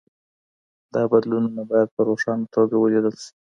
دا بدلونونه باید په روښانه توګه ولیدل سي.